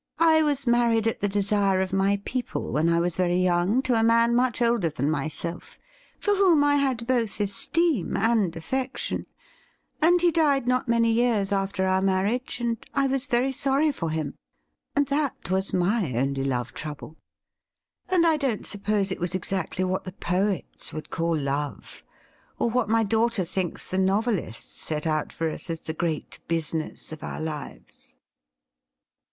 I was married at the desire of my people when I was very young to a man much older than myself, for whom I had both esteem and affection, and he died not many years after our marriage, and I was very sorry for him — and that was my only love trouble ; and I don't suppose it was exactly what the poets would call love, or what my daughter thinks the novelists set out for us as the great business of our lives.'